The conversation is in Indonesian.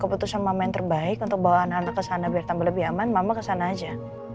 keputusan mama yang terbaik untuk bawa anak anak ke sana biar tambah lebih aman mama kesana aja